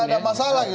nggak ada masalah gitu